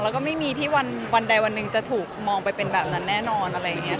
เราก็ไม่มีที่วันใดวันหนึ่งจะถูกมองไปเป็นแบบนั้นแน่นอน